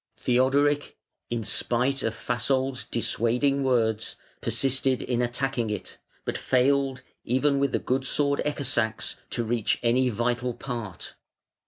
Theodoric, in spite of Fasold's dissuading words, persisted in attacking it, but failed, even with the good sword Ecke sax, to reach any vital part.